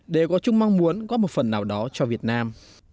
đều có chung mong muốn góp một phần nào đó cho việt nam